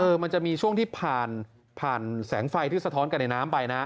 มันจะมีช่วงที่ผ่านผ่านแสงไฟที่สะท้อนกันในน้ำไปนะ